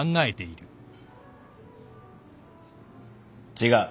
違う。